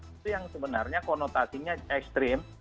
itu yang sebenarnya konotasinya ekstrim